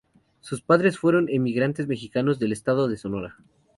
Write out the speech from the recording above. Sus padres fueron emigrantes mexicanos del estado de Sonora.